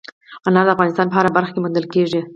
انار د افغانستان په هره برخه کې موندل کېږي.